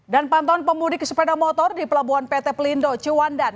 dan pantauan pemudik sepeda motor di pelabuhan pt pelindo ciwandan